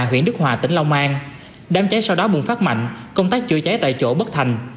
huyện đức hòa tỉnh long an đám cháy sau đó bùng phát mạnh công tác chữa cháy tại chỗ bất thành